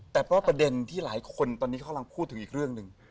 แต่เพราะประเด็นที่หลายคนตอนนี้เขากำลังพูดถึงอีกเรื่องหนึ่ง